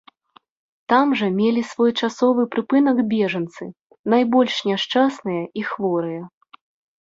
Там жа мелі свой часовы прыпынак бежанцы, найбольш няшчасныя і хворыя.